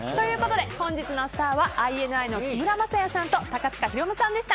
本日のスターはＩＮＩの木村柾哉さんと高塚大夢さんでした。